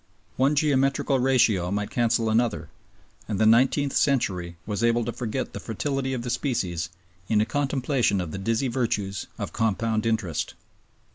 One geometrical ratio might cancel another, and the nineteenth century was able to forget the fertility of the species in a contemplation of the dizzy virtues of compound interest.